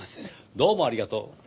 どうもありがとう。